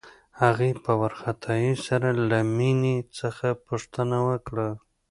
هغې په وارخطايۍ سره له مينې څخه پوښتنه وکړه.